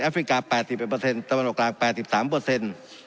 แอฟริกาแปดสิบเปอร์เซ็นต์สำหรับกลางแปดสิบสามเปอร์เซ็นต์